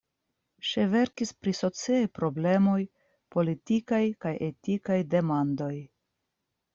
Ŝi verkis pri sociaj problemoj, politikaj kaj etikaj demandoj.